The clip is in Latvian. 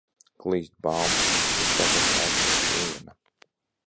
Klīst baumas, ka tu tagad esot viena.